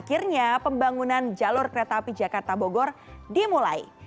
akhirnya pembangunan jalur kereta api jakarta bogor dimulai